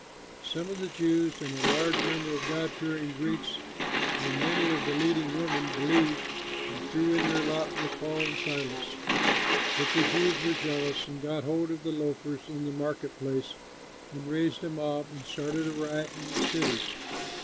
Some of the Jews and a large number of God fearing Greeks and many of the leading women believed and threw in their lot with Paul and Silas. But the Jews were jealous and got hold of the loafers in the market place, and raised a mob and started a riot in the city.